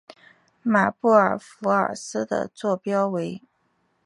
马布尔福尔斯的座标为。